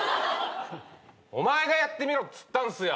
お前がやってみろっつったんすよ！